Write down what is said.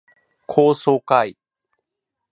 高層階